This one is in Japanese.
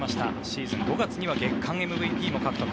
シーズン５月には月間ＭＶＰも獲得。